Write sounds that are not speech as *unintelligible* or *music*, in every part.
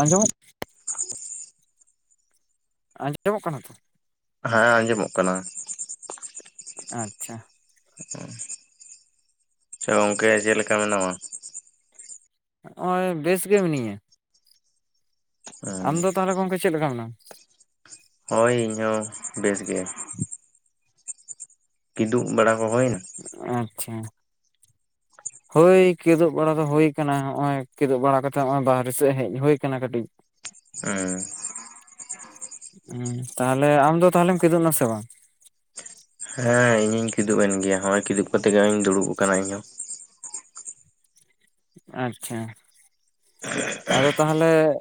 ᱟᱸᱡᱚᱢ *unintelligible* *unintelligible* ᱟᱸᱡᱚᱢᱚᱜ ᱠᱟᱱᱟ ᱛᱚ᱾ ᱦᱮᱸ ᱟᱸᱡᱚᱢᱚᱜ ᱠᱟᱱᱟ᱾ ᱟᱪᱪᱷᱟ᱾ ᱟᱪᱪᱷᱟ ᱜᱚᱝᱠᱮ ᱪᱮᱫ ᱞᱮᱠᱟ ᱢᱮᱱᱟᱢᱟ? ᱱᱚᱜᱼᱚᱭ ᱵᱮᱥ ᱜᱮ ᱢᱤᱱᱟᱹᱧᱟ᱾ ᱦᱮᱸ ᱟᱢ ᱫᱚ ᱛᱟᱦᱚᱞᱮ ᱜᱚᱝᱠᱮ ᱪᱮᱫ ᱞᱮᱠᱟ ᱢᱮᱱᱟᱢᱟ? ᱦᱳᱭ ᱤᱧ ᱦᱚᱸ ᱵᱮᱥ ᱜᱮ᱾ ᱠᱤᱫᱩᱜ ᱵᱟᱲᱟ ᱠᱚ ᱦᱳᱭᱱᱟ? ᱟᱪᱪᱷᱟ᱾ ᱦᱳᱭ ᱠᱮᱫᱳᱜ ᱵᱟᱲᱟ ᱫᱚ ᱦᱩᱭ ᱠᱟᱱᱟ ᱦᱚᱸᱜᱼᱚᱭ ᱠᱮᱫᱳᱩᱜ ᱵᱟᱲᱟ ᱠᱟᱛᱮ ᱦᱚᱸᱜᱼᱚᱭ ᱵᱟᱦᱨᱮ ᱥᱮᱫ ᱦᱮᱡ ᱦᱩᱭ ᱟᱠᱟᱱᱟ ᱠᱟᱹᱴᱤᱡ᱾ *unintelligible* ᱦᱮᱸ᱾ ᱦᱩᱸ ᱛᱟᱦᱚᱞᱮ ᱟᱢ ᱫᱚ ᱛᱟᱦᱚᱞᱮᱢ ᱠᱮᱫᱳᱜ ᱱᱟ ᱥᱮ ᱵᱟᱝ? ᱦᱮᱸ ᱤᱧᱦᱚᱧ ᱠᱤᱫᱩᱜ ᱮᱱ ᱜᱮᱭᱟ ᱱᱚᱜ-ᱚᱭ ᱠᱤᱫᱩᱜ ᱠᱟᱛᱮ ᱜᱮ ᱦᱚᱸᱜ-ᱚᱭ ᱫᱩᱲᱩᱵ ᱟᱠᱟᱱᱟ ᱤᱧᱦᱚᱸ᱾ ᱟᱪᱪᱷᱟ᱾ ᱟᱫᱚ ᱛᱟᱦᱚᱞᱮ-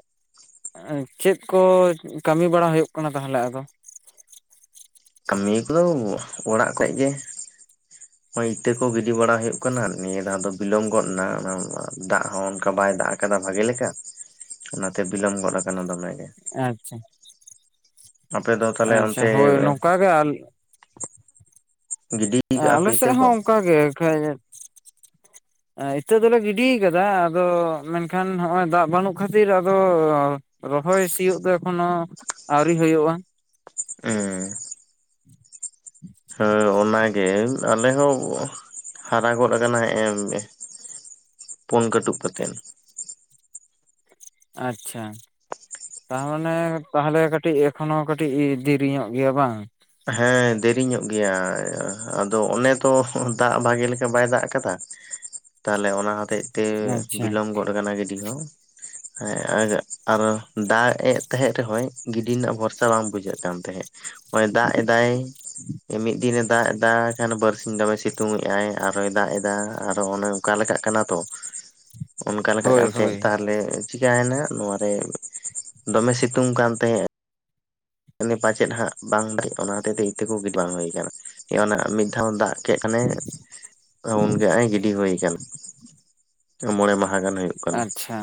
ᱪᱮᱫ ᱠᱚ ᱠᱟᱹᱢᱤ ᱵᱟᱲᱟ ᱦᱩᱭᱩᱜ ᱠᱟᱱᱟ ᱛᱟᱦᱚᱞᱮ ᱟᱫᱚ? ᱠᱟᱹᱢᱤ ᱠᱚᱫᱚ ᱚᱲᱟᱜ ᱠᱚᱨᱮ ᱜᱮ᱾ *unintelligible* ᱱᱚᱜ-ᱚᱭ ᱤᱛᱟᱹ ᱠᱚ ᱜᱤᱰᱤ ᱵᱟᱲᱟ ᱦᱩᱭᱩᱜ ᱠᱟᱱᱟ, ᱱᱤᱭᱟᱹ ᱫᱷᱟᱣ ᱫᱚ ᱵᱤᱞᱚᱢ ᱜᱚᱫ ᱱᱟ ᱚᱱᱟ-ᱚᱱᱟ ᱫᱟᱜ ᱦᱚᱸ ᱚᱱᱠᱟ ᱵᱟᱭ ᱫᱟᱜ- ᱟᱠᱟᱱᱟ ᱟᱠᱟᱫᱟ ᱵᱷᱟᱜᱮ ᱞᱮᱠᱟ, ᱚᱱᱟᱛᱮ ᱵᱤᱞᱚᱢ ᱜᱚᱫ ᱟᱠᱟᱱᱟ ᱫᱚᱢᱮ ᱜᱮ᱾ ᱟᱪᱪᱷᱟ᱾ ᱟᱯᱮ ᱫᱚ ᱛᱟᱦᱚᱞᱮ ᱟᱪᱪᱷᱟ ᱚᱱᱛᱮ ᱦᱳᱭ ᱱᱚᱝᱠᱟ ᱜᱮ ᱟᱞ- ᱜᱤᱰᱤ ᱠᱟᱜᱼᱟ ᱟᱞᱮ ᱯᱮ ᱤᱛᱟᱹ ᱥᱮᱫ ᱠᱚ? ᱦᱚᱸ ᱚᱱᱠᱟᱜᱮ ᱠᱷᱟᱡ ᱤᱛᱟᱹ ᱫᱚᱞᱮ ᱜᱤᱰᱤ ᱠᱟᱫᱟ ᱟᱫᱚ ᱢᱮᱱᱠᱷᱟᱱ ᱦᱚᱸᱜᱼᱚᱭ ᱫᱟᱜ ᱵᱟᱹᱱᱩᱜ ᱠᱷᱟᱹᱛᱤᱨ ᱟᱫᱚᱻ ᱨᱚᱦᱚᱭ ᱥᱤᱭᱳᱜ ᱫᱚ ᱮᱠᱷᱚᱱᱳ ᱟᱹᱣᱨᱤ ᱦᱩᱭᱩᱜᱼᱟ᱾ ᱦᱮᱸ ᱦᱮᱸ ᱚᱱᱟᱜᱮ, ᱟᱞᱮ ᱦᱚᱸ ᱦᱟᱨᱟ ᱜᱚᱫ ᱟᱠᱟᱱᱟ ᱦᱮᱸᱜ-ᱮ᱾ ᱯᱩᱱ ᱠᱟᱹᱴᱩᱵ ᱠᱟᱛᱮᱫ᱾ ᱟᱪᱪᱷᱟ᱾ ᱛᱟᱦᱚᱞᱮ ᱛᱟᱦᱚᱞᱮ ᱠᱟᱹᱴᱤᱡ ᱮᱠᱷᱚᱱᱚ ᱠᱟᱹᱴᱤᱡ ᱫᱤᱨᱤ ᱧᱚᱜ ᱜᱮᱭᱟ ᱵᱟᱝ? ᱦᱮᱸ ᱫᱮᱨᱤ ᱧᱚᱜ ᱜᱮᱭᱟ᱾ ᱟᱫᱚ ᱚᱱᱮ ᱛᱚ ᱫᱟᱜ ᱵᱷᱟᱜᱤ ᱞᱮᱠᱟ ᱵᱟᱭ ᱫᱟᱜ ᱟᱠᱟᱫᱟ᱾ *unintelligible* ᱛᱟᱦᱚᱞᱮ ᱚᱱᱟ ᱦᱚᱛᱮᱡ ᱛᱮ ᱟᱪᱪᱷᱟ ᱵᱤᱞᱚᱢ ᱜᱚᱫ ᱟᱠᱟᱱᱟ ᱜᱤᱰᱤ ᱦᱚᱸ᱾ *inaudible* ᱦᱮ ᱟᱨ ᱫᱟᱜ ᱮᱫ ᱛᱟᱦᱮᱸᱫ ᱨᱮᱦᱚᱸ ᱜᱤᱰᱤ ᱨᱮᱱᱟᱜ ᱵᱷᱚᱨᱥᱟ ᱵᱟᱝ ᱵᱩᱡᱷᱟᱹᱜ ᱠᱟᱱ ᱛᱟᱦᱮᱸᱫ ᱱᱚᱜ-ᱚᱭ᱾ ᱫᱟᱜ ᱮᱫᱟᱭ᱾ ᱢᱤᱫ ᱫᱤᱱᱮ ᱫᱟᱜ ᱫᱟ ᱠᱷᱟᱱ ᱵᱟᱨᱥᱤᱧ ᱫᱚᱢᱮ ᱥᱤᱛᱩᱝ ᱮᱫᱼ ᱟᱭ ᱟᱨ ᱦᱚᱭ ᱫᱟᱜ ᱮᱫᱟ ᱟᱨᱚ ᱚᱱᱮ ᱚᱱᱠᱟ ᱞᱮᱠᱟᱜ ᱠᱟᱱᱟ ᱛᱚ᱾ ᱚᱱᱠᱟ ᱞᱮᱠᱟᱜ ᱦᱳᱭ ᱠᱟᱱ ᱦᱳᱭ ᱛᱟᱦᱮᱸᱫ ᱛᱟᱦᱚᱞᱮ ᱪᱤᱠᱟᱹᱭᱮᱱᱟ ᱱᱚᱣᱟ ᱨᱮ ᱫᱚᱢᱮ ᱥᱤᱛᱩᱝ ᱠᱟᱱ ᱛᱟᱦᱮᱸᱼᱟ᱾ ᱯᱟᱪᱮᱫ ᱦᱟᱸᱜ ᱵᱟᱝ ᱫᱟᱲᱮᱜ ᱚᱱᱟ ᱦᱚᱛᱮᱡ ᱛᱮ ᱤᱛᱟᱹ ᱠᱚ ᱜᱤᱰᱤ ᱵᱟᱝ ᱦᱩᱭ ᱟᱠᱟᱱᱟ ᱚᱱᱟ ᱢᱤᱫ ᱫᱷᱟᱣ ᱫᱟᱜᱼᱼ ᱠᱮᱫ ᱠᱷᱚᱱᱮ ᱩᱱᱜᱮ ᱦᱟᱜ ᱮ ᱜᱤᱰᱤ ᱦᱩᱭ ᱠᱟᱱ᱾ ᱢᱚᱬᱮ ᱢᱟᱦᱟ ᱜᱟᱱ ᱦᱩᱭᱩᱜ ᱠᱟᱱᱟ ᱟᱪᱪᱷᱟ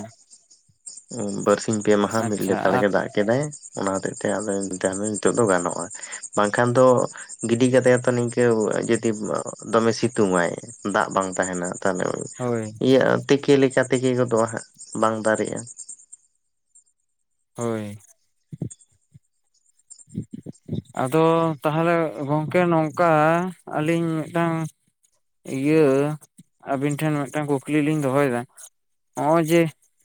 ᱵᱟᱨᱥᱤᱧ ᱯᱮ ᱢᱟᱦᱟ ᱢᱤᱫ ᱟᱪᱪᱷᱟ ᱞᱮᱛᱟᱲᱜᱮ ᱫᱟᱜ ᱮᱫ ᱠᱮᱫᱟᱭ ᱚᱱᱟ ᱦᱚᱛᱮᱡ ᱛᱮ ᱟᱫᱚ ᱱᱤᱛᱚᱜ ᱫᱚ ᱜᱟᱱᱚᱜᱼᱟ ᱵᱟᱝᱠᱷᱟᱱ ᱫᱚ- ᱜᱤᱰᱤ ᱠᱟᱛᱮ ᱦᱚᱸ ᱛᱚ ᱱᱤᱝᱠᱟᱹ ᱡᱚᱫᱤ ᱫᱚᱢᱮ ᱥᱤᱛᱩᱝ ᱟᱭ ᱫᱟᱜ ᱵᱟᱝ ᱛᱟᱦᱮᱱᱟ ᱛᱟᱦᱚᱞᱮ᱾ ᱦᱳᱭ ᱤᱭᱟᱹ ᱛᱤᱠᱤ ᱞᱮᱠᱟ ᱛᱤᱠᱤ ᱜᱚᱫᱚᱜᱼᱟ ᱦᱟᱸᱜ ᱵᱟᱝ ᱫᱟᱨᱮᱜᱼᱟ᱾ ᱦᱳᱭ᱾ *inaudible* ᱟᱫᱚ ᱛᱟᱦᱚᱞᱮ ᱜᱚᱝᱠᱮ ᱱᱚᱝᱠᱟ ᱟᱹᱞᱤᱧ ᱢᱤᱫᱴᱟᱝᱼᱼ ᱤᱭᱟᱹ ᱟᱹᱵᱤᱱ ᱴᱷᱮᱱ ᱢᱤᱫᱴᱟᱝ ᱠᱩᱠᱞᱤ ᱞᱤᱧ ᱫᱚᱦᱚᱭᱮᱫᱟ ᱱᱚᱜᱼᱚᱭ ᱡᱮ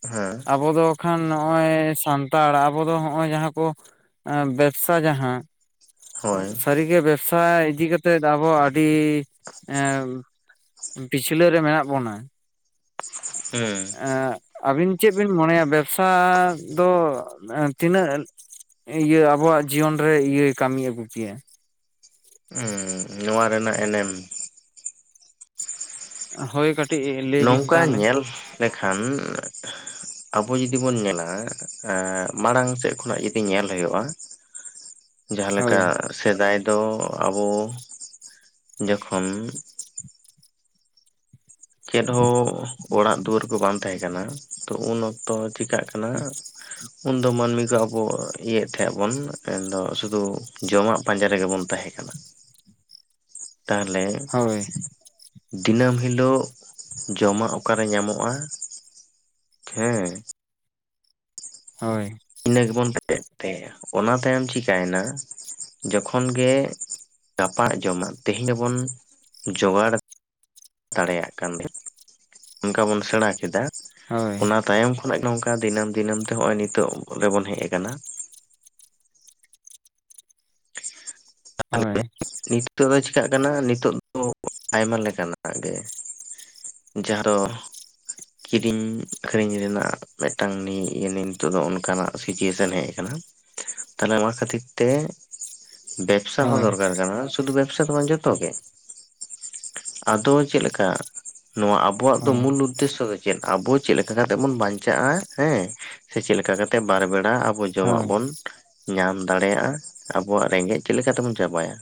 ᱦᱮᱸ ᱟᱵᱚ ᱫᱚ ᱠᱷᱟᱱ ᱱᱚᱜᱼᱚᱭ ᱥᱟᱱᱛᱟᱲ ᱟᱵᱚ ᱫᱚ ᱦᱚᱜᱼᱚᱭ ᱡᱟᱦᱟᱸ ᱠᱚ ᱵᱮᱵᱼᱼ ᱵᱮᱵᱥᱟ ᱡᱟᱦᱟᱸ ᱦᱳᱭ ᱥᱟᱹᱨᱤᱜᱮ ᱵᱮᱵᱥᱟ ᱤᱫᱤ ᱠᱟᱛᱮᱫ ᱟᱵᱚᱼᱼ ᱟᱹᱰᱤ ᱮᱸ ᱯᱤᱪᱷᱞᱟᱹ ᱨᱮ ᱢᱮᱱᱟᱜ ᱵᱚᱱᱟ ᱦᱩᱸ ᱟᱹᱵᱤᱱ ᱪᱮᱫ ᱵᱤᱱ ᱢᱚᱱᱮᱭᱟ ᱵᱮᱵᱥᱟ ᱫᱚ ᱛᱤᱱᱟᱹᱜ ᱤᱭᱟᱹ ᱟᱵᱚᱣᱟᱜ ᱡᱤᱭᱚᱱ ᱨᱮ ᱤᱭᱟᱹᱭ ᱠᱟᱹᱢᱤ ᱟᱹᱜᱩ ᱠᱮᱭᱟ ᱩᱸ ᱱᱚᱣᱟ ᱨᱮᱱᱟᱜ ᱮᱱᱮᱢ ᱦᱳᱭ ᱠᱟᱴᱤᱡ ᱱᱚᱝᱠᱟ ᱧᱮᱞ ᱞᱮᱠᱷᱟᱱ ᱟᱵᱚ ᱡᱩᱫᱤ ᱵᱚᱱ ᱧᱮᱞᱟ ᱮ ᱢᱟᱲᱟᱝ ᱥᱮᱫ ᱠᱷᱚᱱᱟᱜ ᱡᱩᱫᱤ ᱧᱮᱞ ᱦᱩᱭᱩᱜᱼᱟ *inaudible* ᱡᱟᱦᱟᱸ ᱞᱮᱠᱟ ᱥᱮᱫᱟᱭ ᱫᱚ ᱟᱵᱚ ᱡᱚᱠᱷᱚᱱ ᱪᱮᱫ ᱦᱚᱸ ᱚᱲᱟᱜ ᱫᱩᱣᱟᱹᱨ ᱠᱚ ᱵᱟᱝ ᱛᱟᱦᱮᱸ ᱠᱟᱱᱟ ᱛᱚ ᱩᱱ ᱚᱠᱛᱚ ᱪᱤᱠᱟᱹᱜ ᱠᱟᱱᱟ *unintelligible* ᱩᱱᱫᱚ ᱢᱟᱱᱢᱤ ᱠᱚ ᱟᱵᱚ ᱤᱭᱟᱹᱭᱮᱫ ᱛᱟᱦᱮᱫ ᱟᱵᱚᱱ ᱩᱱᱫᱚ ᱥᱩᱫᱷᱩ ᱡᱚᱢᱟᱜ ᱯᱟᱸᱡᱟ ᱨᱮᱜᱮ ᱵᱚᱱ ᱛᱟᱦᱮᱸ ᱠᱟᱱᱟ᱾ ᱛᱟᱦᱚᱞᱮ ᱦᱳᱭ ᱫᱤᱱᱟᱹᱢ ᱦᱤᱞᱳᱜ ᱡᱚᱢᱟᱜ ᱚᱠᱟᱨᱮ ᱧᱟᱢᱚᱜᱼᱟ? ᱴᱷᱮ ᱦᱳᱭ ᱤᱱᱟᱹ ᱜᱮᱵᱚᱱ ᱯ *unintelligible* ᱚᱱᱟ ᱛᱟᱭᱚᱢ ᱪᱤᱠᱟᱭᱮᱱᱟ ᱡᱚᱠᱷᱚᱱ ᱜᱮ ᱜᱟᱯᱟᱜ ᱡᱚᱢᱟᱜ ᱛᱮᱦᱮᱧ ᱫᱚᱵᱚᱱ ᱡᱚᱜᱟᱲᱼᱼ ᱫᱟᱲᱮᱭᱟᱜ ᱠᱟᱱ ᱜᱮ ᱚᱱᱠᱟ ᱵᱚᱱ ᱥᱮᱬᱟ ᱠᱮᱫᱟ ᱦᱳᱭ ᱚᱱᱟᱼᱼ ᱛᱟᱭᱚᱢ ᱠᱷᱚᱱᱟᱜ ᱜᱮ ᱱᱚᱝᱠᱟ ᱫᱤᱱᱟᱹᱢ ᱫᱤᱱᱟᱹᱢ ᱛᱮ ᱱᱚᱜ-ᱚᱭ ᱱᱤᱛᱚᱜ ᱨᱮᱵᱚᱱ ᱦᱮᱡ ᱟᱠᱟᱱᱟ ᱦᱳᱭ *unintelligible* ᱱᱤᱛᱚᱜ ᱫᱚ ᱪᱤᱠᱟᱹᱜ ᱠᱟᱱᱟ ᱱᱤᱛᱚᱜ ᱫᱚ ᱟᱭᱢᱟ ᱞᱮᱠᱟᱱᱟᱜ ᱜᱮ᱾ ᱡᱟᱦᱟᱸ ᱨᱮ᱾ ᱠᱤᱨᱤᱱ ᱟᱠᱷᱨᱤᱧ ᱨᱮᱱᱟᱜ ᱢᱮᱜᱴᱟᱝ ᱱᱤᱭᱩ ᱤᱭᱟᱹ ᱱᱤᱱᱛᱚᱜ ᱫᱚ ᱚᱱᱠᱟᱱᱟᱜ ᱥᱤᱪᱩᱭᱮᱥᱚᱱ ᱦᱮᱡ ᱠᱟᱱᱟ ᱛᱟᱦᱚᱞᱮ ᱚᱱᱟ ᱠᱷᱟᱹᱛᱤᱨ ᱛᱮ ᱵᱮᱠ ᱥᱟ ᱦᱚᱸ ᱦᱳᱭ ᱫᱚᱨᱠᱟᱨ ᱠᱟᱱᱟ ᱥᱩᱫᱩ ᱵᱮᱯ ᱥᱟ ᱠᱚᱢᱟ ᱡᱚᱛᱚ ᱜᱮ, ᱟᱫᱚ ᱪᱮᱜ ᱞᱮᱠᱟ ᱱᱚᱣᱟ ᱟ ᱵᱚᱣᱟᱜ ᱫᱚ ᱦᱳᱭ ᱢᱩᱞ ᱩᱫᱽᱫᱮᱥᱥᱚ ᱫᱚ ᱪᱮᱫ ᱟᱵᱚ ᱪᱮᱫ ᱞᱮᱠᱟ ᱠᱟᱛᱮᱜ ᱵᱚᱱ ᱵᱟᱧᱪᱟᱜᱼᱟ ᱦᱮᱸ ᱥᱮ ᱪᱮᱫ ᱞᱮᱠᱟ ᱠᱟ ᱛᱮ ᱵᱟᱨ ᱵᱮᱲᱟ ᱟᱵᱚ ᱡᱚᱢᱟᱜ ᱦᱳᱭ ᱵᱚᱱ ᱧᱟᱢ ᱫᱟᱲᱮᱭᱟᱜᱼᱟ ᱟᱵᱚᱣᱟᱜ ᱨᱮᱸᱜᱮᱡ ᱪᱮᱫ ᱞᱮᱠᱟ ᱛᱮᱵᱚᱱ ᱪᱟᱵᱟᱭᱟ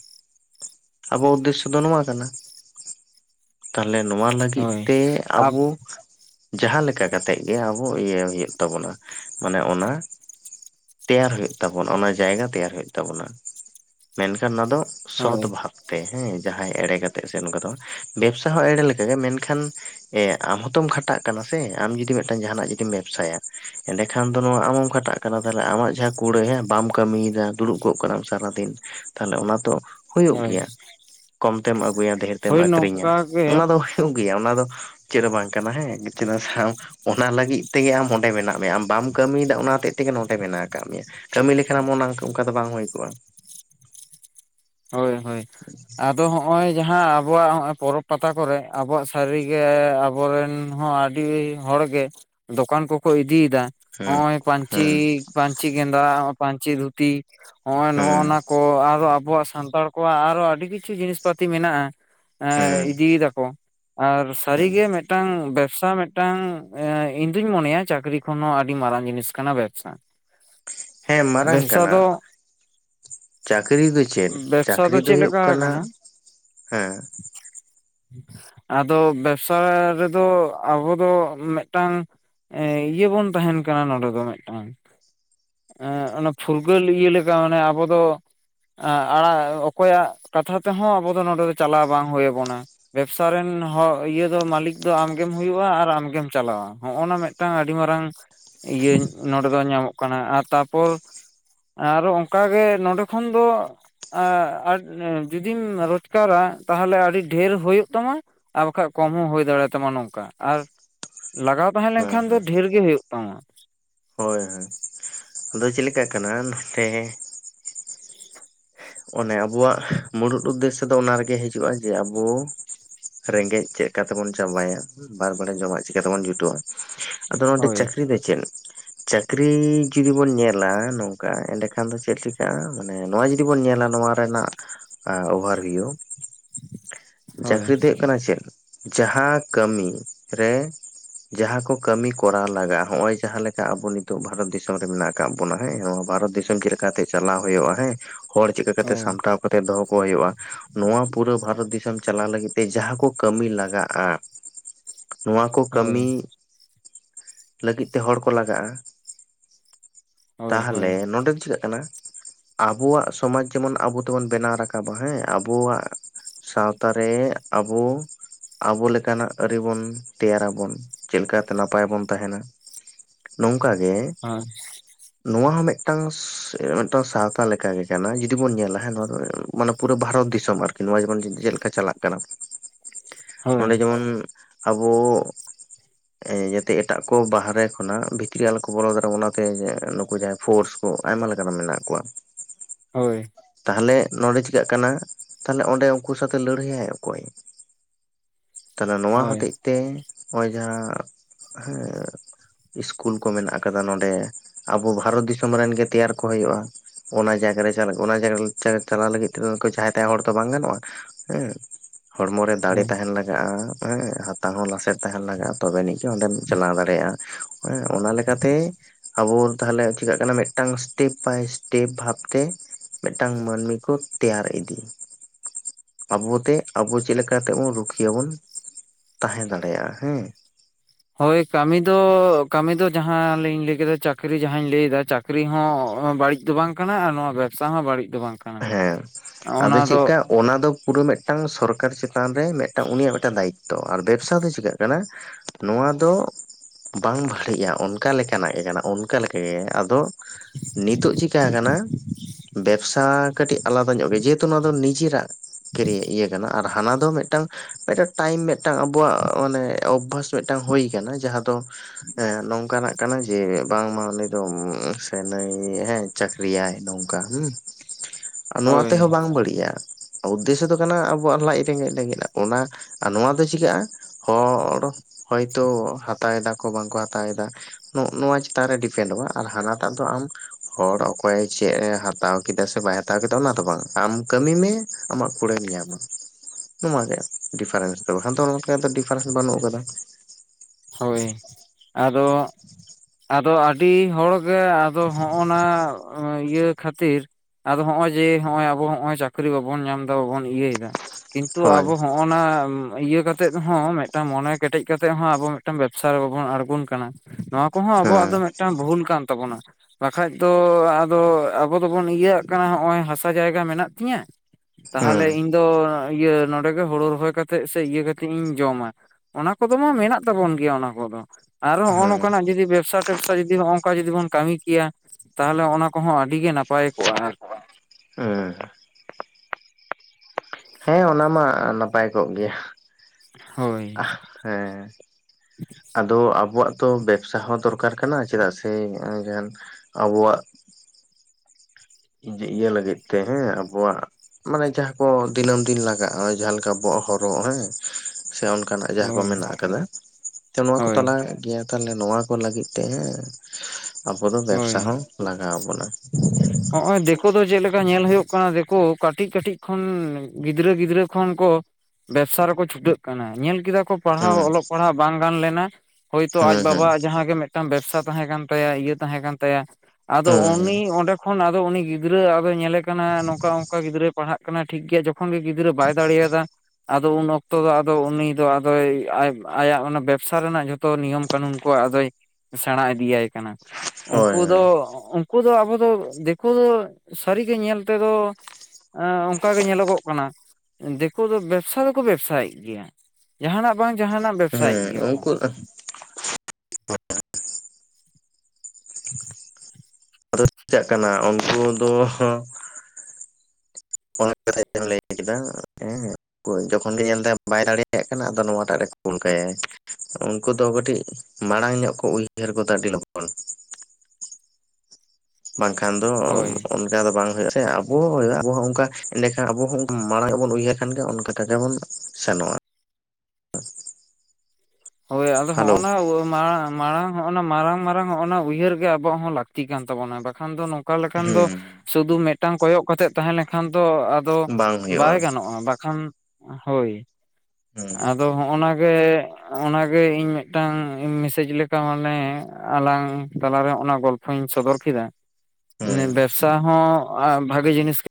ᱟᱵᱚ ᱩᱫᱽᱫᱮᱥᱥᱚ ᱫᱚ ᱱᱚᱣᱟ ᱠᱟᱱᱟ᱾ ᱛᱟᱦᱚᱞᱮ ᱱᱚᱣᱟ ᱞᱟᱹᱜᱤᱫ ᱦᱳᱭ ᱛᱮ ᱟᱵ ᱟᱵᱚ ᱡᱟᱦᱟᱸ ᱞᱮᱠᱟ ᱠᱟᱛᱮᱜ ᱜᱮ ᱟᱵᱚ ᱤᱭᱟᱹ ᱦᱩᱭᱩᱜ ᱛᱟᱵᱚᱱᱟ᱾ ᱢᱟᱱᱮ ᱚᱱᱟ ᱛᱮᱭᱟᱨ ᱦᱳᱭᱳᱜ ᱛᱟᱵᱚᱱᱟ ᱚᱱᱟ ᱡᱟᱭᱜᱟ ᱛᱮᱭᱟᱨ ᱦᱳᱭᱳᱜ ᱛᱟᱵᱚᱱᱟ ᱢᱮᱱ ᱠᱷᱟᱱ ᱚᱱᱟ ᱫᱚ ᱥᱚᱛ ᱦᱳᱭ ᱵᱷᱟᱵᱽ ᱛᱮ ᱦᱮᱸ ᱡᱟᱦᱟᱸᱭ ᱮᱲᱮ ᱠᱟᱛᱮᱫ ᱥᱮ ᱱᱚᱠᱟ ᱫᱚ ᱵᱮᱵᱥᱟ ᱦᱚᱸ ᱮᱲᱮ ᱞᱮᱠᱟ ᱜᱮ ᱢᱮᱱ ᱠᱷᱟᱱ ᱮ ᱟᱢ ᱦᱚᱛᱚᱢ ᱠᱷᱟᱴᱟᱜ ᱠᱟᱱᱟ ᱥᱮ ᱟᱢ ᱡᱩᱫᱤ ᱢᱮᱫ ᱴᱟᱝ ᱡᱟᱦᱟᱱᱟᱜ ᱡᱩᱫᱤᱢ ᱵᱮᱵᱥᱟᱭᱟ ᱮᱸᱰᱮ ᱠᱷᱟᱱ ᱫᱚ ᱱᱚᱣᱟ ᱟᱢᱮᱢ ᱠᱷᱟᱴᱟᱜ ᱠᱟᱱᱟ ᱛᱟᱦᱚᱞᱮ ᱟᱢᱟᱜ ᱡᱟᱦᱟᱸ ᱠᱩᱲᱟᱹᱭ ᱦᱮ ᱵᱟᱢ ᱠᱟᱹᱢᱤ ᱮᱫᱟ ᱫᱩᱲᱩᱵ ᱠᱚᱸᱜ ᱠᱟᱱᱟᱢ ᱥᱟᱨᱟ ᱫᱤᱱ ᱛᱟᱦᱚᱞᱮ ᱚᱱᱟ ᱛᱚ ᱦᱩᱭᱩᱜ ᱦᱳᱭ ᱜᱮᱭᱟ ᱠᱚᱢ ᱛᱮᱢ ᱟᱹᱜᱩᱭᱟ ᱰᱷᱮᱨ ᱛᱮᱢ ᱦᱳᱭ ᱟᱠᱷᱨᱤᱧᱟ ᱱᱚᱝᱠᱟ ᱜᱮ ᱚᱱᱟ ᱫᱚ ᱦᱩᱭᱩᱜ ᱜᱮᱭᱟ ᱚᱱᱟ ᱫᱚ᱾ ᱪᱮᱫ ᱦᱚᱸ ᱵᱟᱝ ᱠᱟᱱᱟ ᱦᱮᱸ *unintelligible* ᱚᱱᱟ ᱞᱟᱹᱜᱤᱫ ᱛᱮᱜᱮ ᱟᱢ ᱦᱚᱸᱰᱮ ᱢᱮᱱᱟᱜ ᱢᱮᱭᱟ ᱟᱢ ᱵᱟᱢ ᱠᱟᱹᱢᱤ ᱫᱟ ᱚᱱᱟ ᱦᱚᱛᱮᱡ ᱛᱮᱜᱮ ᱱᱚᱰᱮ ᱢᱮᱱᱟᱜ ᱟᱠᱟᱜ ᱢᱮᱭᱟ᱾ ᱠᱟᱹᱢᱤ ᱞᱮᱠᱷᱟᱱ ᱚᱱᱟ ᱚᱱᱠᱟ ᱚᱱᱠᱟ ᱫᱚ ᱵᱟᱝ ᱦᱩᱭ ᱠᱚᱜᱼᱟ᱾ ᱦᱳᱭ ᱦᱳᱭ ᱟᱫᱚ ᱦᱚᱸᱜᱼᱚᱭ ᱡᱟ ᱦᱮᱸ ᱟᱵᱚᱣᱟᱜ ᱦᱚᱸᱜᱼᱚᱭ ᱯᱚᱨᱚᱵᱽ ᱯᱟᱛᱟ ᱠᱚᱨᱮ ᱟᱵᱚᱣᱟᱜ ᱥᱟᱹᱨᱤ ᱜᱮ ᱟᱵᱚᱨᱮᱱ ᱦᱚᱸ ᱟᱹᱰᱤ ᱦᱚᱲ ᱜᱮ ᱫᱚᱠᱟᱱ ᱠᱚᱠᱚ ᱤᱫᱤᱭ ᱫᱟ᱾ ᱦᱩᱸ ᱦᱚᱸᱜᱼᱚᱭ ᱯᱟᱹᱧᱪᱤ ᱦᱩᱸ ᱯᱟᱹᱧᱪᱤ ᱜᱮᱸᱫᱟᱜ ᱯᱟᱹᱧᱪᱤ ᱫᱷᱩᱛᱤ ᱦᱚᱸᱜᱼᱚᱭ ᱱᱚᱣᱟ ᱦᱩᱸ ᱚᱱᱟ ᱠᱚ ᱟᱨᱚ ᱟᱵᱚᱣᱟᱜ ᱥᱟᱱᱛᱟᱲ ᱠᱚᱣᱟᱜ ᱟᱨᱚ ᱟᱹᱰᱤ ᱠᱤᱪᱷᱩ ᱡᱤᱱᱤᱥ ᱯᱟᱹᱛᱤ ᱢᱮᱱᱟᱜᱼᱟ, ᱦᱩᱸ ᱮᱸ ᱫᱤᱭ ᱫᱟᱠᱚ ᱟᱨ ᱥᱟᱹᱨᱤ ᱦᱩᱸ ᱜᱮ ᱢᱮᱜ ᱴᱟᱝ ᱵᱮᱵᱥᱟ ᱢᱮᱜ ᱴᱟᱝ ᱮᱸ ᱤᱧ ᱫᱩᱧ ᱢᱚᱱᱮᱭᱟ ᱪᱟᱹᱠᱨᱤ ᱠᱷᱚᱱ ᱦᱚᱸ ᱟᱹᱰᱤ ᱢᱟᱨᱟᱝ ᱡᱤᱱᱤᱥ ᱠᱟᱱᱟ ᱵᱮᱵᱥᱟ᱾ *inaudible* ᱦᱮᱸ ᱢᱟᱨᱟᱝ ᱠᱟᱱᱟ ᱪᱟᱹᱠᱨᱤ ᱫᱚ ᱪᱮᱫ ᱵᱮᱵᱽᱥᱟ ᱪᱟᱹᱠᱨᱤ ᱫᱚ ᱪᱮᱫ ᱦᱩᱭᱩᱜ ᱞᱮᱠᱟ ᱠᱟᱱᱟ ᱦᱮᱸ᱾ ᱟᱫᱚ ᱵᱮᱵᱽᱥᱟ ᱨᱮᱫᱚ ᱟᱵᱚ ᱫᱚ ᱢᱮᱜ ᱴᱟᱝ ᱮ ᱤᱭᱟᱹ ᱵᱚᱱ ᱛᱟᱦᱮᱱ ᱠᱟᱱᱟ ᱱᱚᱰᱮ ᱫᱚ ᱢᱮᱜ ᱴᱟᱝ ᱮᱸᱜ ᱚᱱᱟ ᱯᱷᱩᱨᱜᱟᱹᱞ ᱤᱭᱟᱹ ᱞᱮᱠᱟ ᱢᱟᱱᱮ ᱟᱵᱚ ᱫᱚ ᱮᱸ ᱟᱲᱟᱜ ᱚᱠᱚᱭᱟᱜ ᱠᱟᱛᱷᱟ ᱛᱮᱦᱚᱸ ᱟᱵᱚ ᱫᱚ ᱱᱚᱰᱮ ᱫᱚ ᱪᱟᱞᱟᱣ ᱵᱟᱝ ᱦᱳᱭ ᱟᱵᱚᱱᱟ᱾ ᱵᱮᱵᱽᱥᱟ ᱨᱮᱱ ᱦᱚ ᱤᱭᱟᱹ ᱫᱚ ᱢᱟᱹᱞᱤᱠ ᱫᱚ ᱟᱢᱜᱮᱢ ᱦᱩᱭᱩᱜᱼᱟ ᱟᱨ ᱟᱢᱜᱮᱢ ᱪᱟᱞᱟᱣ-ᱟ᱾ ᱦᱚᱜᱼᱚ ᱱᱟ ᱢᱮᱜ ᱴᱟᱝ ᱟᱹᱰᱤ ᱢᱟᱨᱟᱝ ᱤᱭᱟᱹ ᱱᱚᱰᱮ ᱫᱚ ᱧᱟᱢᱚᱜ ᱠᱟᱱᱟ ᱟᱨ ᱛᱟᱨᱯᱚᱨ ᱟᱨᱚ ᱚᱱᱠᱟ ᱜᱮ ᱱᱚᱰᱮ ᱠᱷᱚᱱ ᱫᱚ ᱟᱸ ᱟᱡᱽ ᱡᱩᱫᱤᱢ ᱨᱚᱪᱠᱟᱨᱟ ᱛᱟᱦᱚᱞᱮ ᱟᱹᱰᱤ ᱰᱷᱮᱨ ᱦᱳᱭᱳᱜ ᱛᱟᱢᱟ᱾ ᱟ ᱵᱟᱠᱷᱟᱡ ᱠᱚᱢ ᱦᱚᱸ ᱦᱳᱭ ᱫᱟᱲᱮ ᱟᱛᱟᱢᱟ ᱱᱚᱝᱠᱟ᱾ ᱟᱨ ᱞᱟᱜᱟᱣ ᱛᱟᱦᱮᱸ ᱦᱮᱸ ᱞᱮᱱᱠᱷᱟᱱ ᱫᱚ ᱦᱮᱸ ᱰᱷᱮᱨ ᱜᱮ ᱦᱳᱭᱳᱜ ᱛᱟᱢᱟ᱾ ᱦᱳᱭ ᱦᱳᱭ᱾ ᱟᱫᱚ ᱪᱮᱫ ᱞᱮᱠᱟ ᱠᱟᱱᱟ ᱱᱚᱦ-ᱰᱮ ᱚᱱᱮ ᱟᱵᱚᱣᱟᱜ ᱢᱩᱲᱩᱫ ᱩᱫᱽᱫᱮᱥᱥᱚ ᱫᱚ ᱚᱱᱟ ᱨᱮᱜᱮ ᱦᱤᱡᱩᱜᱼᱟ ᱡᱮ ᱟᱵᱚ ᱨᱮᱸᱜᱮᱡ ᱪᱮᱫᱠᱟ ᱞᱮᱠᱟ ᱛᱮ ᱵᱚᱱ ᱪᱟᱵᱟᱭᱟ ᱵᱟᱨ ᱵᱮᱲᱟ ᱡᱚᱢᱟᱜ ᱪᱤᱠᱟᱹ ᱛᱮᱵᱚᱱ ᱡᱩᱴᱟᱹᱣᱼᱟ᱾ ᱟᱫᱚ ᱚᱰᱮ ᱦᱳᱭ ᱪᱟᱹᱠᱨᱤ ᱫᱚ ᱪᱮᱱ? ᱪᱟᱹᱠᱨᱤ ᱡᱩᱫᱤ ᱵᱚᱱ ᱧᱮᱞᱟ ᱱᱚᱝᱠᱟ ᱮᱸᱰᱮ ᱠᱷᱟᱱ ᱫᱚ ᱪᱮᱫ ᱪᱤᱠᱟᱹᱜᱼᱟ ᱢᱟᱱᱮ ᱱᱚᱣᱟ ᱡᱩᱫᱤ ᱵᱚᱱ ᱧᱮᱞ ᱚᱱᱟ ᱱᱚᱣᱟ ᱨᱮᱱᱟᱜ ᱮ ᱚᱵᱷᱟᱨ ᱦᱤᱭᱩ ᱦᱳᱭ ᱪᱟᱹᱠᱨᱤ ᱫᱚ ᱦᱩᱭᱩᱜ ᱠᱟᱱᱟ ᱪᱮᱫ? ᱡᱟᱦᱟᱸ ᱠᱟᱹᱢᱤ ᱨᱮ ᱡᱟᱦᱟᱸ ᱠᱚ ᱠᱟᱹᱢᱤ ᱠᱚᱨᱟᱣ ᱞᱟᱜᱟᱜᱼᱟ ᱦᱚᱜᱼᱚᱭ ᱡᱟᱦᱟᱸ ᱞᱮᱠᱟ ᱟᱵᱚ ᱱᱤᱛᱚᱜ ᱵᱷᱟᱨᱚᱛ ᱫᱤᱥᱚᱢ ᱨᱮ ᱢᱮᱱᱟᱜ ᱠᱟᱜ ᱵᱚᱱᱟ ᱦᱮ ᱚ ᱵᱷᱟᱨᱚᱛ ᱫᱤᱥᱚᱢ ᱪᱮᱞᱠᱟ ᱛᱮ ᱪᱟᱞᱟᱣ ᱦᱳᱭᱳᱜᱼᱟ ᱦᱮᱸ, ᱦᱚᱲ ᱪᱮᱫᱠᱟ ᱠᱟᱛᱮ ᱦᱳᱭ ᱥᱟᱢᱴᱟᱣ ᱠᱟᱛᱮ ᱫᱚᱦᱚ ᱠᱚ ᱦᱩᱭᱩᱜᱼᱟ ᱱᱚᱣᱟ ᱯᱩᱨᱟᱹ ᱵᱷᱟᱨᱚᱛ ᱫᱤᱥᱚᱢ ᱪᱟᱞᱟᱣ ᱞᱟᱹᱜᱤᱫ ᱛᱮ ᱡᱟᱦᱟᱸ ᱠᱚ ᱠᱟᱹᱢᱤ ᱞᱟᱜᱟᱜᱼᱟ *inaudible* ᱱᱚᱣᱟ ᱠᱚ ᱠᱟᱹᱢᱤ ᱦᱳᱭ ᱞᱟᱹᱜᱤᱫ ᱛᱮ ᱦᱚᱲ ᱠᱚ ᱞᱟᱜᱟᱜᱼᱟ ᱦᱳᱭ ᱛᱟᱦᱞᱮ ᱦᱳᱭ ᱱᱚᱰᱮ ᱫᱚ ᱪᱤᱠᱟᱹᱜ ᱠᱟᱱᱟ ᱟᱵᱚᱣᱟᱜ ᱥᱚᱢᱟᱡ ᱡᱮᱢᱚᱱ ᱟᱵᱚ ᱛᱮᱵᱚᱱ ᱵᱮᱱᱟᱣ ᱨᱟᱠᱟᱵ ᱟ ᱦᱮᱸ ᱟᱵᱚᱣᱟᱜ ᱥᱟᱶᱛᱟ ᱨᱮ ᱟᱵᱚ ᱟᱵᱚ ᱞᱮᱠᱟ ᱱᱟᱜ ᱟᱹᱨᱤ ᱵᱚᱱ ᱛᱮᱭᱟᱨ ᱟᱵᱚᱱ ᱪᱮᱫ ᱞᱮᱠᱟᱛᱮ ᱱᱟᱯᱟᱭ ᱵᱚᱱ ᱛᱟᱦᱮᱱᱟ ᱱᱚᱝᱠᱟ ᱜᱮ ᱱᱚᱣᱟ ᱦᱚᱸ ᱢᱮᱫ ᱴᱟᱝ ᱢᱮᱫ ᱴᱟᱝ ᱥᱟᱶᱛᱟ ᱞᱮᱠᱟ ᱜᱮ *unintelligible* ᱡᱩᱫᱤ ᱵᱚᱱ ᱧᱮᱞᱟ ᱦᱮᱸ ᱢᱟᱱᱮ ᱯᱩᱨᱟᱹ ᱵᱷᱟᱨᱚᱛ ᱫᱤᱥᱚᱢ ᱟᱨᱠᱤ ᱱᱚᱣᱟ ᱡᱮᱢᱚᱱ ᱪᱮᱫ ᱞᱮᱠᱟ ᱪᱟᱞᱟᱜ ᱠᱟᱱᱟ ᱱᱚᱰᱮ ᱦᱳᱭ ᱡᱮᱢᱚᱱ ᱟᱵᱚ ᱮᱸᱻ ᱡᱟᱛᱮ ᱮᱴᱟᱜ ᱠᱚ ᱵᱟᱦᱨᱮ ᱠᱷᱚᱱᱟᱜ ᱵᱷᱤᱛᱨᱤ ᱟᱞᱚ ᱠᱚ ᱵᱚᱞᱚ ᱫᱟᱲᱮᱜ ᱚᱱᱟᱛᱮ ᱡᱮ‌ ᱮᱸ ᱱᱩᱠᱩ ᱡᱟᱦᱟᱸᱭ ᱯᱷᱳᱨᱥᱼᱼ ᱠᱚ ᱟᱭᱢᱟ ᱞᱮᱠᱟ ᱫᱚ ᱢᱮᱱᱟᱜ ᱠᱚᱣᱟ᱾ ᱦᱳᱭ᱾ ᱛᱟᱦᱚᱞᱮ ᱱᱚᱸᱰᱮ ᱪᱤᱠᱟᱜ ᱠᱟᱱᱟ ᱛᱟᱦᱞᱮ ᱚᱸᱰᱮ ᱩᱱᱠᱩ ᱥᱟᱶᱛᱮ ᱞᱟᱹᱲᱦᱟᱹ *unintelligible* ᱠᱚᱭ? ᱛᱟᱦᱚᱞᱮ ᱱᱚᱣᱟ ᱦᱳᱭ ᱦᱚᱛᱮᱡ ᱛᱮ ᱱᱚᱜᱼᱚᱸᱭ ᱡᱟᱦᱟᱸ ᱦᱮᱸᱼᱼ ᱤᱥᱠᱩᱞ ᱠᱚ ᱢᱮᱱᱟᱜ ᱟᱠᱟᱫᱟ ᱱᱚᱰᱮ ᱟᱵᱚ ᱵᱷᱟᱨᱚᱛ ᱫᱤᱥᱚᱢ ᱨᱮᱱ ᱜᱮ ᱛᱮᱭᱟᱨ ᱠᱚ ᱦᱚᱭᱩᱜ-ᱟ᱾ ᱚᱱᱟ ᱡᱟᱭᱜᱟ ᱨᱮᱼᱼ *unintelligible* ᱠᱚ ᱚᱱᱟ ᱡᱟᱭᱜᱟ ᱨᱮᱞ ᱪᱟᱞ ᱪᱟᱞᱟᱣ ᱞᱟᱹᱜᱤᱫ ᱛᱮᱫᱚ ᱠᱩ ᱡᱟᱦᱟᱸᱭ ᱛᱟᱦᱟᱸᱭ ᱦᱚᱲ ᱫᱚ ᱵᱟᱝ ᱜᱟᱱᱚᱜ-ᱟ ᱦᱮᱸ ᱦᱚᱲᱢᱚ ᱨᱮ ᱫᱟᱲᱮ ᱦᱳᱭ ᱛᱟᱦᱮᱸᱱ ᱞᱟᱜᱟᱜ-ᱟ᱾ ᱦᱮᱸ ᱦᱟᱛᱟᱝ ᱦᱚᱸ ᱞᱟᱥᱮᱨ ᱛᱟᱦᱮ ᱞᱟᱜᱟ ᱟ ᱛᱚᱵᱮ ᱟᱹᱱᱤᱡ ᱜᱮ ᱚᱸᱰᱮᱢ ᱪᱟᱞᱟᱣ ᱫᱟᱲᱮᱭᱟᱜᱼᱟ ᱦᱮ ᱚᱱᱟ ᱞᱮᱠᱟᱛᱮ ᱟᱵᱚ ᱵᱚᱱ ᱛᱟᱦᱚᱞᱮ ᱪᱤᱠᱟᱜ ᱠᱟᱱᱟ ᱢᱮᱜᱴᱟᱝ ᱮᱥᱴᱮᱯ ᱵᱟᱭ ᱮᱥᱴᱮᱯ ᱵᱷᱟᱵᱽ ᱛᱮᱼᱼ ᱢᱤᱫᱴᱟᱝ ᱢᱟᱹᱱᱢᱤ ᱠᱚ ᱛᱮᱭᱟᱨ ᱤᱫᱤᱜ᱾ ᱟᱵᱚ ᱛᱮ ᱟᱵᱚ ᱪᱮᱜ ᱞᱮᱠᱟ ᱛᱮ ᱵᱩᱱ ᱨᱩᱠᱷᱤᱭᱟᱹ ᱵᱩᱱ ᱛᱟᱦᱮᱸ ᱫᱟᱲᱮᱭᱟᱜ-ᱟ ᱦᱮᱸ᱾ ᱦᱚᱭ ᱠᱟᱢᱤ ᱫᱚ ᱠᱟᱢᱤ ᱫᱚ ᱡᱟᱦᱟᱸ ᱞᱤᱧ ᱞᱟᱹᱭ ᱠᱮᱫᱟ ᱪᱟᱠᱨᱤ ᱡᱟᱦᱟᱸᱧ ᱞᱟᱹᱭ ᱫᱟ ᱪᱟᱠᱼᱼ ᱪᱟᱹᱠᱨᱤ ᱦᱚᱸ ᱵᱟᱲᱤᱡ ᱫᱚ ᱵᱟᱝ ᱠᱟᱱᱟ ᱟᱨ ᱱᱚᱣᱟ ᱵᱮᱵᱽᱥᱟ ᱦᱚᱸ ᱵᱟᱲᱤᱡ ᱫᱚ ᱵᱟᱝ ᱠᱟᱼᱼ ᱦᱮᱸ ᱟᱫᱚ ᱪᱮᱜ ᱠᱟᱼᱼ ᱚᱱᱟ ᱫᱚ ᱯᱩᱨᱟᱹ ᱢᱤᱫᱴᱟᱝ ᱥᱚᱨᱠᱟᱨ ᱪᱮᱛᱟᱱ ᱨᱮ ᱢᱤᱫᱴᱟᱝ ᱩᱱᱤᱭᱟᱜ ᱢᱤᱫᱴᱟᱝ ᱫᱟᱭᱤᱛᱛᱚ ᱟᱨ ᱵᱮᱵᱽᱥᱟ ᱫᱚ ᱪᱤᱠᱟᱜ ᱠᱟᱱᱟᱼᱼ ᱱᱚᱣᱟ ᱫᱚ ᱵᱟᱝ ᱵᱷᱟᱞᱤᱭᱟ ᱚᱱᱠᱟ ᱞᱮᱠᱟ ᱱᱟᱜ ᱜᱮ ᱠᱟᱱᱟ ᱚᱱᱠᱟ ᱞᱮᱠᱟ ᱜᱮ ᱟᱫᱚᱼᱼ ᱱᱤᱛᱩᱜ ᱪᱤᱠᱟ ᱟᱠᱟᱱᱟ ᱵᱮᱵᱽᱥᱼᱼ ᱟᱸᱻ ᱠᱟᱹᱴᱤᱡ ᱟᱞᱟᱫᱟ ᱧᱚᱜ ᱜᱮᱭᱟ ᱡᱮ ᱦᱮᱛᱩ ᱱᱚᱣᱟ ᱫᱚ ᱱᱤᱡᱮᱨᱟᱜ ᱠᱮᱨᱤᱭᱟᱹ ᱤᱭᱟᱹ ᱠᱟᱱᱟ ᱟᱨ ᱦᱟᱱᱟ ᱫᱚ ᱢᱮᱜᱴᱟᱝᱼᱼ ᱢᱤᱫᱴᱟᱝ ᱴᱟᱭᱤᱢ ᱢᱤᱫᱴᱟᱝ ᱟᱵᱚᱣᱟᱜ ᱢᱟᱱᱮ ᱚᱵᱷᱟᱥ ᱢᱤᱫᱴᱟᱝ ᱦᱩᱭ ᱠᱟᱱᱟ ᱡᱟᱦᱟᱸ ᱫᱚᱼᱼ ᱦᱮᱸ ᱱᱚᱝᱠᱟ ᱱᱟᱜᱼᱼ ᱠᱟᱱᱟ ᱡᱮ ᱵᱟᱝ ᱢᱟ ᱩᱱᱤ ᱫᱚᱻᱢᱮ ᱥᱮ ᱱᱟᱹᱭ ᱦᱮᱸ ᱪᱟᱹᱠᱨᱤ ᱭᱟᱭ ᱱᱚᱝᱠᱟ ᱦᱩᱸ᱾ ᱟᱨ ᱱᱚᱣᱟ ᱦᱳᱭ ᱛᱮᱦᱚᱸ ᱵᱟᱝ ᱵᱟᱹᱲᱤᱡ-ᱟ᱾ ᱩᱫᱽᱫᱮᱥᱚ ᱫᱚ ᱠᱟᱱᱟ ᱟᱵᱚᱣᱟᱜ ᱞᱟᱡ ᱨᱮᱸᱜᱮᱡ ᱞᱟᱹᱜᱤᱫ ᱚᱱᱟ ᱱᱚᱶᱟ ᱫᱚ ᱪᱤᱠᱟᱜ-ᱟ᱾ ᱦᱚᱲ ᱦᱚᱭᱛᱚ ᱦᱟᱛᱟᱭ ᱫᱟᱠᱚ ᱵᱟᱝ ᱠᱚ ᱦᱟᱛᱟ ᱭᱮᱫᱟ᱾ ᱱᱚᱜ-ᱱᱚᱣᱟ ᱪᱮᱛᱟᱱ ᱨᱮ ᱰᱤᱯᱮᱱᱰᱚᱜ-ᱟ ᱟᱨ ᱦᱟᱱᱟ ᱴᱟᱜ ᱫᱚ ᱟᱢ ᱦᱚᱲ ᱚᱠᱚᱭ ᱪᱮᱜ ᱮ ᱦᱟᱛᱟᱣᱼᱼ ᱠᱮᱫᱟ ᱥᱮ ᱵᱟᱭ ᱦᱟᱛᱟᱣ ᱠᱮᱫᱟ ᱚᱱᱟ ᱫᱚ ᱵᱟᱝ ᱟᱢ ᱠᱟᱹᱢᱤ ᱢᱮ ᱟᱢᱟᱜ ᱠᱩᱲᱟᱹ ᱮᱭᱢ ᱧᱟᱢᱟ᱾ ᱱᱚᱣᱟ ᱜᱮ ᱰᱤᱯᱷᱟᱨᱮᱱᱥ ᱫᱚ ᱵᱟᱠᱷᱟᱱ ᱛᱚ ᱱᱚᱝᱠᱟ ᱫᱚ ᱰᱤᱯᱷᱟᱨᱮᱱᱥ ᱵᱟᱹᱱᱩᱜ ᱟᱠᱟᱫᱟ᱾ ᱦᱳᱭ ᱟᱫᱚᱼᱼ ᱟᱫᱚ ᱟᱹᱰᱤ ᱦᱚᱲ ᱜᱮ ᱟᱫᱚ ᱦᱚᱸᱜ-ᱚᱱᱟ ᱤᱭᱟᱹ ᱠᱷᱟᱹᱛᱤᱨᱼᱼ ᱟᱫᱚ ᱦᱚᱸᱜ-ᱚᱭ ᱡᱮ ᱦᱚᱸᱜ-ᱚᱭ ᱟᱵᱚ ᱦᱚᱸᱜ-ᱚᱭ ᱪᱟᱠᱨᱤ ᱵᱟᱵᱚᱱ ᱧᱟᱢ ᱫᱟ ᱵᱟᱵᱚᱱ ᱤᱭᱟᱹᱭᱮᱫᱟ ᱠᱤᱱᱛᱩ ᱦᱳᱭ ᱟᱵᱚ ᱦᱚᱸᱼᱼ ᱚᱱᱟ ᱩᱢ‌ ᱤᱭᱟᱹ ᱠᱟᱛᱮᱫ ᱦᱚᱸ ᱢᱤᱫᱴᱟᱝ ᱢᱚᱱᱮ ᱠᱮᱴᱮᱡ ᱠᱟᱛᱮᱜ ᱦᱚᱸ ᱟᱵᱚ ᱢᱤᱫᱴᱟᱝ ᱵᱮᱵᱽᱥᱟ ᱨᱮ ᱵᱟᱵᱚᱱ ᱟᱬᱜᱚᱱ ᱠᱟᱱᱟ᱾ ᱱᱚᱣᱟ ᱠᱚᱦᱚᱸ ᱟᱵᱚᱣᱟᱜ ᱫᱚ ᱦᱮᱸ ᱢᱮᱜᱴᱟᱝ ᱵᱷᱩᱞ ᱠᱟᱱ ᱛᱟᱵᱚᱱᱟ᱾ ᱵᱟᱠᱷᱟᱡ ᱫᱚ ᱟᱫᱚ ᱟᱵᱚ ᱫᱚᱵᱚᱱ ᱤᱭᱟᱹᱜ ᱠᱟᱱᱟ ᱦᱚᱸᱜ-ᱚᱭ ᱦᱟᱥᱟ ᱡᱟᱭᱜᱟ ᱢᱮᱱᱟᱜ ᱛᱤᱧᱟᱼᱼᱹ ᱛᱟᱦᱚᱞᱮ ᱦᱮᱸ ᱤᱧ ᱫᱚ ᱤᱭᱟᱹ ᱱᱚᱱᱰᱮ ᱜᱮ ᱦᱩᱲᱩ ᱨᱚᱦᱚᱭ ᱠᱟᱛᱮᱜ ᱥᱮ ᱤᱭᱟᱹ ᱠᱟᱛᱮᱜ ᱤᱧ ᱡᱚᱢᱟ᱾ ᱚᱱᱟ ᱠᱚᱫᱚ ᱢᱟ ᱢᱮᱱᱟᱜ ᱛᱟᱵᱚᱱ ᱜᱮᱭᱟ ᱚᱱᱟ ᱠᱚᱫᱚ ᱟᱨ ᱦᱚᱸᱜ-ᱚ ᱦᱮᱸ ᱱᱚᱝᱠᱟ ᱱᱟᱜ ᱡᱩᱫᱤᱼᱼ ᱵᱮᱵᱽᱥᱟ ᱴᱮᱯᱥᱟ ᱡᱩᱫᱤ ᱱᱚᱜ-ᱚᱝᱠᱟ ᱡᱩᱫᱤ ᱵᱚᱱ ᱠᱟᱢᱤ ᱠᱮᱭᱟ ᱛᱟᱦᱚᱞᱮ ᱚᱱᱟ ᱠᱚᱦᱚᱸ ᱟᱰᱤ ᱜᱮ ᱱᱟᱯᱼᱼ *unintelligible* ᱦᱮᱸ ᱚᱱᱟ ᱢᱟ ᱱᱟᱯᱟᱭ ᱠᱚᱜ ᱜᱮᱭᱟ ᱦᱳᱭ ᱟ ᱦᱮᱸ᱾ ᱟᱫᱚ ᱟᱵᱚᱣᱟᱜ ᱛᱚ ᱵᱮᱵᱽᱥᱟ ᱦᱚᱸ ᱫᱚᱨᱠᱟᱨ ᱠᱟᱱᱟ ᱪᱮᱫᱟᱜ ᱥᱮ ᱮᱸ ᱡᱟᱦᱟᱸᱱᱼᱼ ᱟᱵᱚᱣᱟᱜᱼᱼ ᱡᱮ ᱤᱭᱟᱹ ᱞᱟᱹᱜᱤᱫ ᱛᱮ ᱦᱮᱸ ᱟᱵᱚᱣᱟᱜᱼᱼ ᱢᱟᱱᱮ ᱡᱟᱦᱟᱸ ᱠᱚ ᱫᱤᱱᱟᱹᱢ ᱫᱤᱱ ᱞᱟᱜᱟᱜ- ᱟ ᱡᱟᱦᱟᱸ ᱞᱮᱠᱟ ᱟᱵᱚᱣᱟᱜ ᱦᱚᱨᱚᱜ ᱦᱮᱸ᱾ ᱥᱮ ᱚᱱᱠᱟ ᱱᱟᱜ ᱡᱟᱦᱟᱸ ᱠᱚ ᱦᱳᱭ ᱢᱮᱱᱟᱜ ᱟᱠᱟᱫᱟ ᱛᱚ ᱱᱚᱶᱟ ᱠᱚ ᱦᱳᱭ ᱛᱟᱞᱟ ᱜᱮᱸᱭᱫ ᱼᱼ ᱛᱟᱦᱚᱞᱮ ᱱᱚᱣᱟ ᱠᱚ ᱞᱟᱜᱤᱫ ᱛᱮ ᱦᱮᱸ ᱟᱵᱚ ᱫᱚ ᱵᱮᱵᱽᱥᱟ ᱦᱳᱭ᱾ ᱦᱚᱸ ᱞᱟᱜᱟᱣ ᱵᱚᱱᱟ᱾ ᱱᱚᱜ-ᱚᱭ ᱫᱮᱠᱚ ᱫᱚ ᱡᱮᱞᱮᱠᱼᱼ ᱠᱚ ᱧᱮᱞ ᱦᱩᱭᱩᱜ ᱠᱟᱱᱟ ᱫᱮᱠᱚ ᱠᱟᱹᱴᱤᱡ ᱠᱟᱹᱴᱤᱡ ᱠᱷᱚᱱ ᱜᱤᱫᱽᱨᱟᱹ ᱜᱤᱫᱽᱨᱟᱹ ᱠᱷᱚᱱ ᱠᱚᱼᱼ ᱵᱮᱵᱽᱥᱟ ᱨᱮᱠᱚ ᱪᱷᱩᱴᱟᱹᱜ ᱠᱟᱱᱟ ᱧᱮᱞ ᱠᱮᱫᱟ ᱠᱚᱼᱼ ᱚᱞ ᱯᱟᱲᱦᱟᱣ ᱦᱩᱸ ᱚᱞᱚᱜ ᱯᱟᱲᱦᱟᱜ ᱵᱟᱝ ᱜᱟᱱ ᱞᱮᱱᱟ ᱦᱳᱭ ᱛᱚ ᱟᱡ ᱦᱩᱸ ᱦᱩᱸ ᱵᱟᱵᱟᱣᱟᱜ ᱡᱟᱦᱟᱸ ᱜᱮ ᱢᱤᱫ ᱢᱤᱫᱴᱟᱝ ᱵᱮᱵᱽᱥᱟ ᱛᱟᱦᱮᱸ ᱠᱟᱱ ᱛᱟᱭᱟ ᱤᱭᱟᱹ ᱛᱟᱦᱮᱸ ᱠᱟᱱ ᱛᱟᱭᱟ ᱟᱫᱚ ᱦᱩᱸ ᱦᱩᱸ ᱩᱱᱤ ᱚᱸᱰᱮ ᱛᱚᱠᱷᱚᱱ ᱟᱫᱚ ᱩᱱᱤ ᱜᱤᱫᱽᱨᱟᱹ ᱟᱫᱚᱭ ᱧᱮᱞᱮ ᱠᱟᱱᱟ ᱱᱚᱝᱠᱟ ᱚᱱᱠᱟ ᱜᱤᱫᱽᱨᱟᱹᱭ ᱯᱟᱲᱦᱟᱜ ᱠᱟᱱᱟ ᱴᱷᱤᱠ ᱜᱮᱭᱟ ᱡᱚᱠᱷᱚᱱ ᱜᱮ ᱜᱤᱫᱽᱨᱟᱹ ᱵᱟᱭ ᱫᱟᱲᱮ ᱭᱟᱫᱟ ᱟᱫᱚ ᱩᱱ ᱚᱠᱛᱚ ᱫᱚ ᱟᱫᱚ ᱩᱱᱤ ᱫᱚ ᱟᱫᱚ ᱟᱭᱟᱜ ᱚᱱᱟ ᱵᱮᱵᱽᱥᱟ ᱨᱮᱱᱟᱜ ᱡᱚᱛᱚ ᱛᱚ ᱱᱤᱭᱚᱢ ᱠᱟᱱᱩᱱ ᱠᱚ ᱟᱫᱚᱭ ᱥᱮᱬᱟ ᱤᱫᱤᱭᱟᱭ ᱠᱟᱱᱟ ᱦᱳᱭ ᱩᱱᱠᱩ ᱦᱳᱭ ᱫᱚ ᱩᱱᱠᱩ ᱫᱚ ᱟᱵᱚ ᱫᱚ ᱫᱤᱠᱳ ᱫᱚ ᱥᱟᱹᱨᱤᱜᱮ ᱧᱮᱞ ᱛᱮᱫᱚ ᱚᱱᱠᱟ ᱜᱮ ᱧᱮᱞᱚᱜᱚᱜ ᱠᱟᱱᱟ ᱫᱤᱠᱩ ᱫᱚ ᱵᱮᱵᱽᱥᱟ ᱫᱚᱠᱚ ᱵᱮᱵᱽᱥᱟᱭᱮᱫ ᱜᱮᱭᱟ ᱡᱟᱦᱟᱸᱱᱟᱜ ᱵᱟᱝ ᱡᱟᱦᱟᱸᱱᱟᱜ ᱵᱮᱵᱽᱥᱟᱭᱮᱫ ᱦᱮᱸ ᱜᱮᱭᱟ ᱠᱚ ᱩᱱᱠᱩ *inaudible* ᱪᱟᱜ ᱠᱟᱱᱟ ᱩᱱᱠᱩ ᱫᱚ ᱚᱱᱟ ᱠᱟᱛᱷᱟ ᱜᱤᱵᱮᱱ ᱞᱟᱹᱭ ᱠᱮᱫᱟ ᱮᱸᱜ᱾ ᱦᱳᱭ ᱡᱚᱠᱷᱚᱱ ᱜᱮ ᱧᱮᱞ ᱫᱟᱭ ᱵᱟᱭ ᱫᱟᱲᱮᱭᱟᱜ ᱠᱟᱱᱟ ᱟᱫᱚ ᱱᱚᱣᱟ ᱴᱟᱜ ᱨᱮ ᱠᱩᱞ ᱠᱟᱭᱟᱭ ᱩᱱᱠᱩ ᱫᱚ ᱠᱟᱹᱴᱤᱡᱼᱼ ᱢᱟᱲᱟᱝ ᱧᱚᱜ ᱠᱚ ᱩᱭᱦᱟᱹᱨ ᱜᱚᱫᱟ ᱟᱹᱰᱤ ᱞᱚᱜᱚᱱ ᱵᱟᱝᱠᱷᱟᱱ ᱫᱚ ᱦᱳᱭ ᱚᱱᱠᱟ ᱫᱚ ᱵᱟᱝ ᱦᱳᱭᱳᱜᱼᱟ ᱥᱮ ᱟᱵᱚ ᱦᱚᱸ ᱟᱵᱚ ᱦᱚᱸ ᱚᱱᱠᱟ ᱮᱸᱰᱮᱠᱷᱟᱱ ᱟᱵᱚ ᱢᱟᱲᱟᱝ ᱨᱮᱵᱚᱱ ᱩᱭᱦᱟᱹᱨᱟ ᱠᱷᱟᱱ ᱚᱱᱠᱟ ᱴᱟᱠᱟ ᱵᱚᱱ ᱥᱮᱱᱚᱜᱼᱟ ᱦᱸ *inaudible* ᱦᱳᱭ ᱟᱫᱚ ᱦᱚᱜ-ᱚ ᱱᱟ ᱢᱟᱲᱟᱝ ᱢᱟᱲᱟᱝ ᱦᱚᱜᱼᱱᱟ ᱢᱟᱨᱟᱝ ᱢᱟᱨᱟᱝ ᱦᱚᱜᱼᱚ ᱱᱟ ᱩᱭᱦᱟᱹᱨ ᱜᱮ ᱟᱵᱚᱣᱟᱜ ᱦᱚᱸ ᱞᱟᱹᱠᱛᱤ ᱠᱟᱱ ᱛᱟᱵᱚᱱᱟ ᱵᱟᱠᱷᱟᱱ ᱫᱚ ᱱᱚᱝᱠᱟ ᱚᱠᱟ ᱞᱮᱠᱟᱱ ᱫᱚ ᱦᱩᱸ ᱥᱩᱫᱷᱩ ᱢᱤᱫᱴᱟᱝ ᱠᱚᱭᱚᱜ ᱠᱟᱛᱮᱜ ᱛᱟᱦᱮᱸ ᱞᱮᱱᱠᱷᱟᱱ ᱫᱚ ᱫᱚ ᱵᱟᱝ ᱦᱩᱭᱩᱜᱼᱟ ᱵᱟᱭ ᱜᱟᱱᱚᱜᱼᱟ ᱵᱟᱠᱷᱟᱱ ᱦᱳᱭ ᱦᱩᱸ ᱟᱫᱚ ᱦᱚᱜᱼᱚ ᱱᱟ ᱜᱮ ᱚᱱᱟ ᱜᱮ ᱤᱧ ᱢᱤᱫ ᱴᱟᱝ ᱢᱮᱥᱮᱡᱽ ᱞᱮᱠᱟ ᱢᱟᱱᱮ ᱟᱞᱟᱝ ᱛᱟᱞᱟᱨᱮ ᱚᱱᱟ ᱜᱚᱞᱯᱚ ᱠᱷᱚᱱᱧ ᱥᱚᱫᱚᱨ ᱠᱮᱫᱟ ᱦᱩᱸ ᱵᱮᱵᱥᱟ ᱦᱚᱸ ᱵᱷᱟᱜᱮ ᱡᱤᱱᱤᱥ ᱠᱟᱱᱟ